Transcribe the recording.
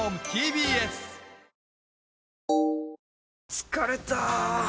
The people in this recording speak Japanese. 疲れた！